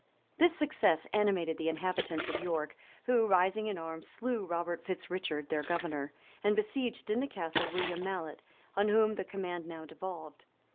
[] This success animated the inhabitants of York, who, rising in arms, slew Robert Fitz Richard, their governor,[] and besieged in the castle William Mallet, on whom the command now devolved.